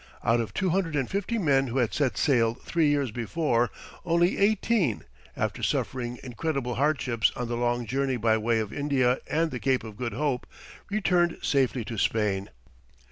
Out of two hundred and fifty men who had set sail three years before, only eighteen, after suffering incredible hardships on the long journey by way of India and the Cape of Good Hope, returned safely to Spain.